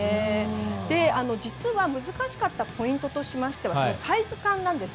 実は、難しかったポイントとしましてはサイズ感なんです。